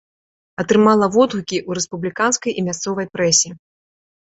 Атрымала водгукі ў рэспубліканскай і мясцовай прэсе.